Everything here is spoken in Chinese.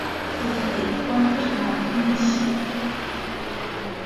自己观察天气